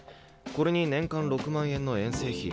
これに年間６万円の遠征費。